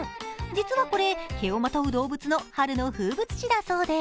実はこれ、毛をまとう動物の春の風物詩だそうで